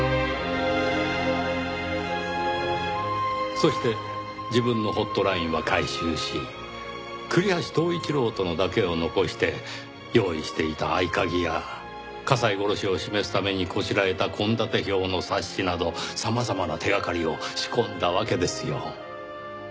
そして自分のホットラインは回収し栗橋東一郎とのだけを残して用意していた合鍵や加西殺しを示すためにこしらえた献立表の冊子など様々な手掛かりを仕込んだわけですよ。